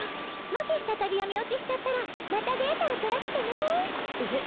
もし再び闇堕ちしちゃったらまたデータを取らせてねえっ